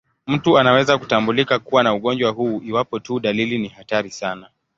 Mtu anaweza kutambulika kuwa na ugonjwa huu iwapo tu dalili ni hatari sana.